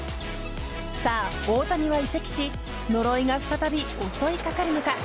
さあ、大谷は移籍し呪いが再び襲いかかるのか。